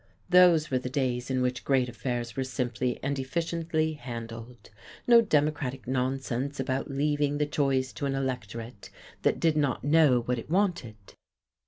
Those were the days in which great affairs were simply and efficiently handled. No democratic nonsense about leaving the choice to an electorate that did not know what it wanted.